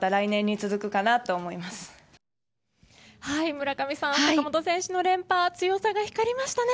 村上さん、坂本選手の連覇強さが光りましたね。